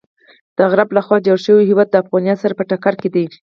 د غرب لخوا جوړ شوی هویت د افغانیت سره په ټکر کې دی.